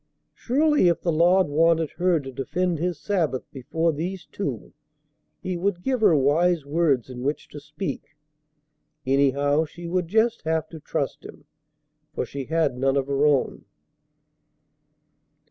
Surely, if the Lord wanted her to defend His Sabbath before these two, He would give her wise words in which to speak. Anyhow, she would just have to trust Him, for she had none of her own.